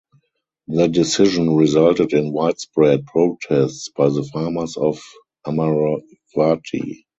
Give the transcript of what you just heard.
The decision resulted in widespread protests by the farmers of Amaravati.